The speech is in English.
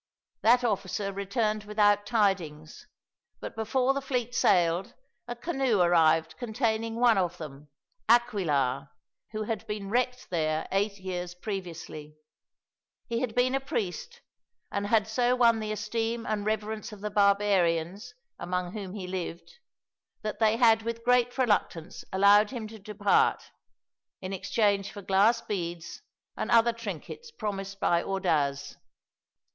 That officer returned without tidings, but before the fleet sailed a canoe arrived containing one of them, Aquilar, who had been wrecked there eight years previously. He had been a priest, and had so won the esteem and reverence of the barbarians among whom he lived, that they had with great reluctance allowed him to depart, in exchange for glass beads and other trinkets promised by Ordaz.